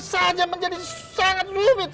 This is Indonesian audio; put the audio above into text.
saja menjadi sangat lubit